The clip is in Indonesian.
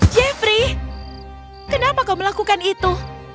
jeffrey kenapa kau melakukan itu